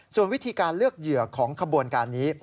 ส่วนวิธีการเลือกเหยื่อของขบวนการนี้